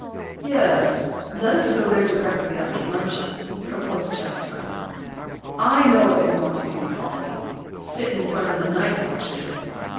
"Yes, let us go there directly after luncheon," proposed Jasper. "I know what you want to do, Polly, sit in front of 'The Night Watch' again."